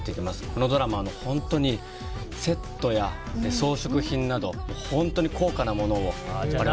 このドラマは本当にセットや装飾品など本当に高価なものを使って。